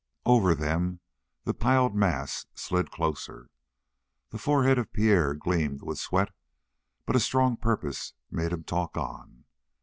Over them the piled mass slid closer. The forehead of Pierre gleamed with sweat, but a strong purpose made him talk on.